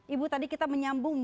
ibu tadi kita menyambung